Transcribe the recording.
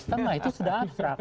setengah itu sudah abstrak